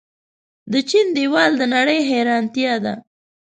د چین دیوال د نړۍ حیرانتیا ده.